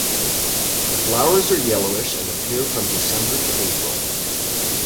The flowers are yellowish and appear from December to April.